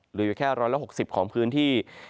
หรือแค่ร้อนละ๖๐ของพื้นที่